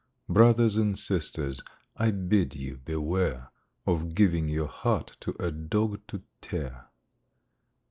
Brothers and sisters, I bid you beware Of giving your heart to a dog to tear.